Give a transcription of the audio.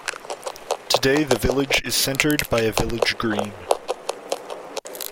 Today the village is centred by a village green.